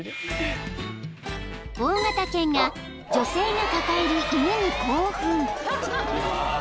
［大型犬が女性が抱える犬に興奮］